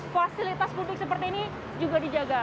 fasilitas publik seperti ini juga dijaga